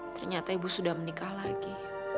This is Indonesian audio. ternyata ibu sudah menikah lagi